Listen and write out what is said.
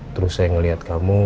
terus saya ngeliat kamu